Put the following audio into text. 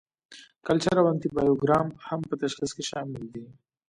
کلچر او انټي بایوګرام هم په تشخیص کې شامل دي.